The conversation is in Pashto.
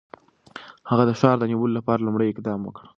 هغه د ښار د نیولو لپاره لومړی اقدام وکړ.